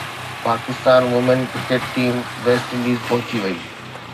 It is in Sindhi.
Pakistan women cricket team West Indies پهچي وئي